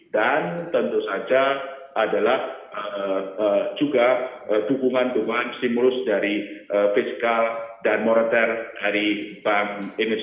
dan tentu saja adalah juga dukungan dukungan simulus dari fiskal dan morotel dari bank indonesia